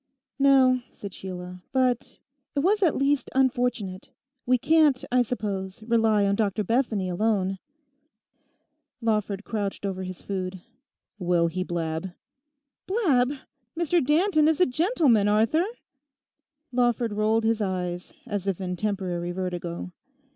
'No,' said Sheila; 'but—it was at least unfortunate. We can't, I suppose, rely on Dr Bethany alone.' Lawford crouched over his food. 'Will he blab?' 'Blab! Mr Danton is a gentleman, Arthur.' Lawford rolled his eyes as if in temporary vertigo.